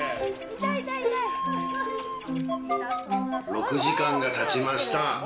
６時間が経ちました。